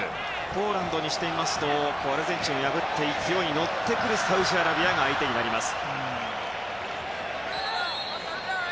ポーランドにしてみますとアルゼンチンを破って勢いに乗ってくるサウジアラビアが相手になります。